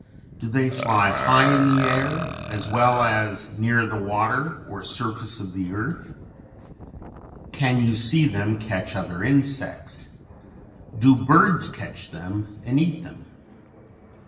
Do they fly high in the air as well as near the water or surface of the earth? Can you see them catch other insects? Do birds catch them and eat them?